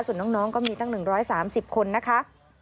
ส่วนน้องก็มีตั้ง๑๓๐คนนะคะ